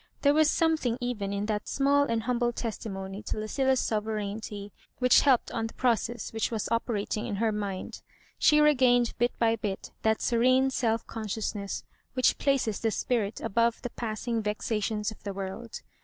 There was something even in.that small and humble testimony to Lueilla's sovereignty which helped on the process which was ope rating in her mind. She regained bit by bit that serene self consciousness which places the spirit above the passing vexations of the world.